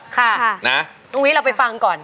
ค่ะอุ้ยเราไปฟังก่อน